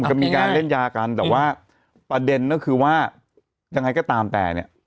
ก็มีการเล่นยากันแต่ว่าประเด็นก็คือว่ายังไงก็ตามแต่เนี่ย